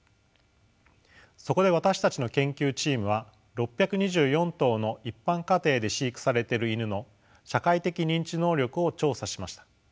そこで私たちの研究チームは６２４頭の一般家庭で飼育されてるイヌの社会的認知能力を調査しました。